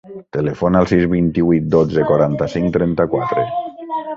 Telefona al sis, vint-i-vuit, dotze, quaranta-cinc, trenta-quatre.